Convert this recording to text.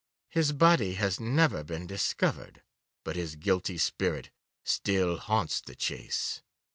His body has never been discovered, but his guilty spirit still haunts the Chase.